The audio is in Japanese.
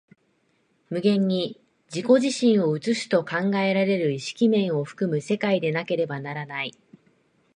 無限に自己自身を映すと考えられる意識面を含む世界でなければならない。